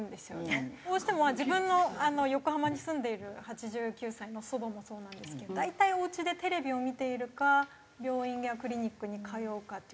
どうしても自分の横浜に住んでいる８９歳の祖母もそうなんですけど大体おうちでテレビを見ているか病院やクリニックに通うかっていう。